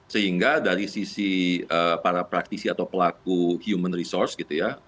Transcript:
sehingga dari sisi para praktisi atau pelaku human resource gitu ya